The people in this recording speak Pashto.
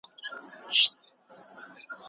بد مه کوئ چې بد ونه وینئ.